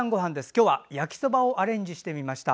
今日は、焼きそばをアレンジしてみました。